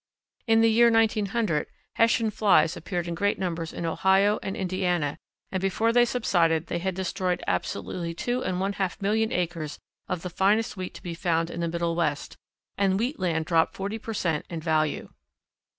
In the year 1900 Hessian flies appeared in great numbers in Ohio and Indiana, and before they subsided they had destroyed absolutely two and one half million acres of the finest wheat to be found in the Middle West, and wheat land dropped 40 per cent. in value.